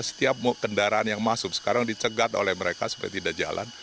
setiap kendaraan yang masuk sekarang dicegat oleh mereka supaya tidak jalan